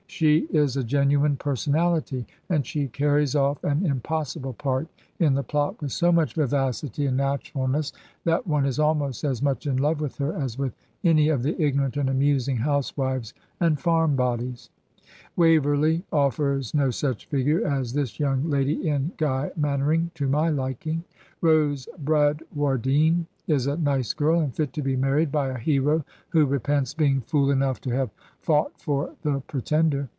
She is a genu ine personality; and she carries off an impossible part in the plot with so much vivacity and naturalness that 100 Digitized by VjOOQIC THREE OF SCOTT'S HER&l'NEg '•••—"'•■ one is almost as much in love with her as with any of the ignorant and amusing housewives and farm bodies. " Waverley '' offers no such figure as this young lady in "Guy Mannering/' to my liking. Rose Bradwar dine is a nice girl, £ind fit to be married by a hero who repents being fool enough to have fought for the Pre tender.